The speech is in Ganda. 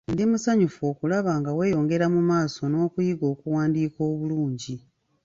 Ndi musanyufu okulaba nga weeyongera mu maaso n'okuyiga okuwandiika obulungi.